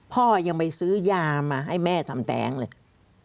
พ่อยังไปซื้อยามาให้แม่ทำแท้งเลย